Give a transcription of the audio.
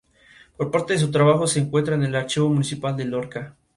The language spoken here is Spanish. Parte de su trabajo se encuentra en el Archivo Municipal de Lorca.